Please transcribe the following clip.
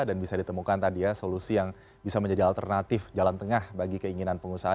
dan bisa ditemukan tadi ya solusi yang bisa menjadi alternatif jalan tengah bagi keinginan pengusaha